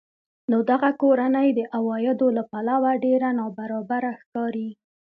نو دغه کورنۍ د عوایدو له پلوه ډېره نابرابره ښکاري